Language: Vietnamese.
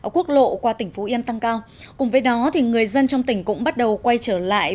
quốc lộ qua tỉnh phú yên tăng cao cùng với đó người dân trong tỉnh cũng bắt đầu quay trở lại